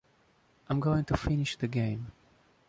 I’m going to finish the game.